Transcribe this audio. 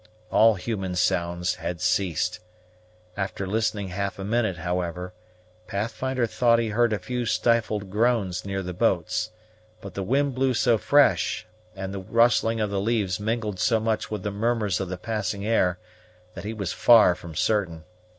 All human sounds had ceased. After listening half a minute, however, Pathfinder thought he heard a few stifled groans near the boats; but the wind blew so fresh, and the rustling of the leaves mingled so much with the murmurs of the passing air, that he was far from certain.